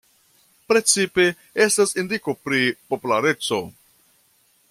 Precipe estas indiko pri populareco.